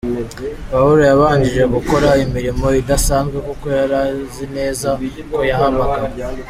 Pawulo yabashije gukora imirimo idasanzwe kuko yari azi neza ko yahamagawe.